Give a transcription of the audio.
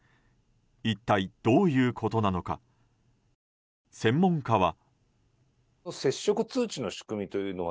一体どういうことなのか専門家は。